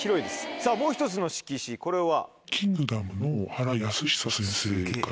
さぁもう１つの色紙これは？